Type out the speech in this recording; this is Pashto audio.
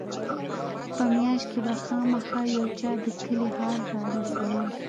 په مياشت کښې به خامخا يو چا د کلي حال رارساوه.